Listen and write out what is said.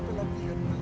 ada yang jadi barista